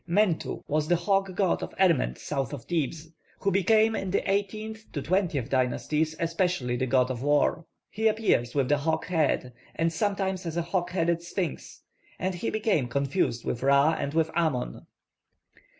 +Mentu+ was the hawk god of Erment south of Thebes, who became in the eighteenth to twentieth dynasties especially the god of war. He appears with the hawk head, or sometimes as a hawk headed sphinx; and he became confused with Ra and with Amon.